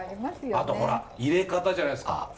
あとほら入れ方じゃないですか？